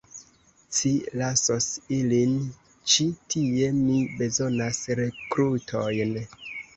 Ci lasos ilin ĉi tie; mi bezonas rekrutojn.